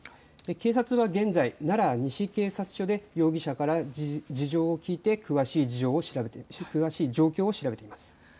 警察は現在、奈良西警察署で容疑者から事情を聞いて詳しい状況を調べています。